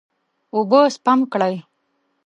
اوبه سپم کړئ.